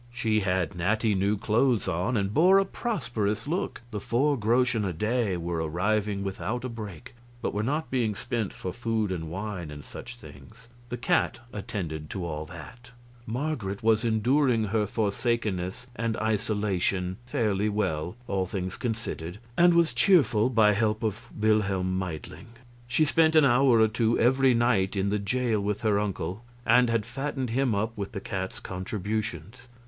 She had natty new clothes on and bore a prosperous look. The four groschen a day were arriving without a break, but were not being spent for food and wine and such things the cat attended to all that. Marget was enduring her forsakenness and isolation fairly well, all things considered, and was cheerful, by help of Wilhelm Meidling. She spent an hour or two every night in the jail with her uncle, and had fattened him up with the cat's contributions.